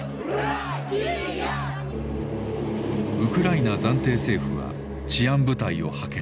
ウクライナ暫定政府は治安部隊を派遣。